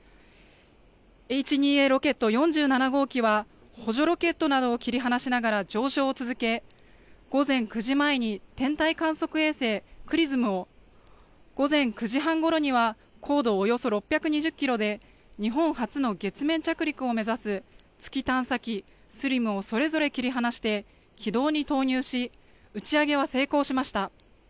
Ｈ２Ａロケット４７号機は補助ロケットなどを切り離しながら上昇を続け午前９時前に天体観測衛星ＸＲＩＳＭを、午前９時半ごろには高度およそ６２０キロで日本初の月面着陸を目指す月探査機ＳＬＩＭをそれぞれ切り離して軌道に投入し打ち上げは成功しました。